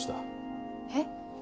えっ。